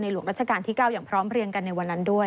หลวงราชการที่๙อย่างพร้อมเรียงกันในวันนั้นด้วย